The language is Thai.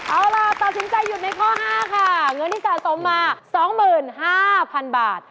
เอาล่ะตัดสินใจหยุดในข้อ๕ค่ะเงินที่สะสมมา๒๕๐๐๐บาท